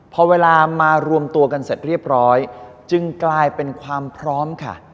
พอเวลามารวมตัวกันเสร็จเรียบร้อยจึงกลายเป็นความพร้อมค่ะ